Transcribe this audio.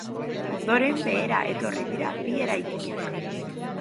Ondoren behera etorri dira bi eraikinak.